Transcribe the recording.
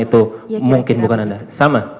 itu mungkin bukan anda ya kira kira begitu